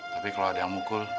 tapi kalau ada yang mukul